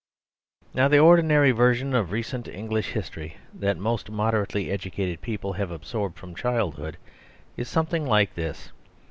Now the ordinary version of recent English history that most moderately educated people have absorbed from childhood is something like this.